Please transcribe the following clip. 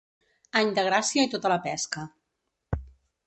Any de gràcia i tota la pesca.